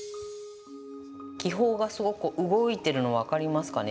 気泡がすごく動いているの分かりますかね。